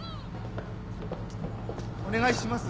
お願いします。